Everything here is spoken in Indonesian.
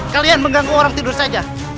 kalian mengganggu orang tidur saja